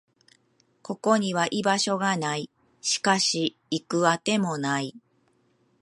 ここには居場所がない。しかし、行く当てもない。